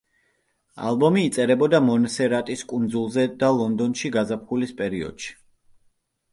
ალბომი იწერებოდა მონსერატის კუნძულზე და ლონდონში, გაზაფხულის პერიოდში.